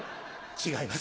違います。